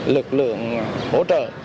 lực lượng hỗ trợ